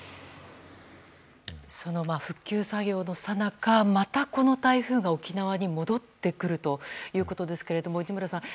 その復旧作業のさなかまた、この台風が沖縄に戻ってくるということですが市村さん